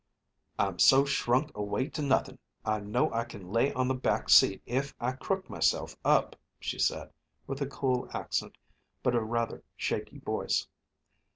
"I'm so shrunk away to nuthin', I know I can lay on the back seat if I crook myself up," she said, with a cool accent but a rather shaky voice.